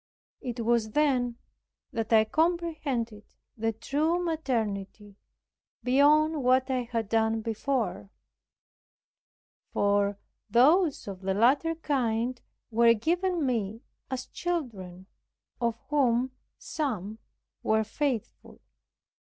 It was then that I comprehended the true maternity beyond what I had done before; for those of the latter kind were given me as children, of whom some were faithful.